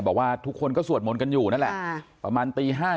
บอกว่าทุกคนก็สวดมนต์กันอยู่นั่นแหละประมาณตี๕